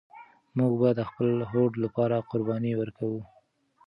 موږ به د خپل هوډ لپاره قرباني ورکوو.